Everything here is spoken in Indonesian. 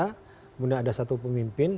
kemudian ada satu pemimpin